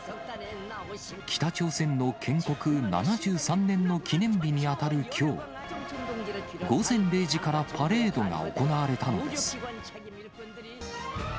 北朝鮮の建国７３年の記念日に当たるきょう午前０時からパレードが行われたのです。